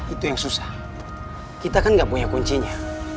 itu yang susah kita kan gak punya kuncinya